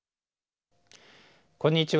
こんにちは。